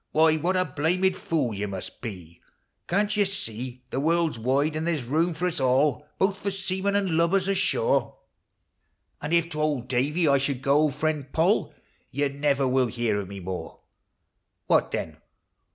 Why, what a blamed fool yon must be! Can't you see, the world 's wide, and there 's room for us all, Both for seamen and lubbers ashore? 438 POEMS OF NATURE. And if to old Davy I should go, friend Poll, You never will hear of me more. What then?